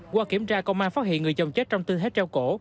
qua kiểm tra công an phát hiện người chồng chết trong tư thế treo cổ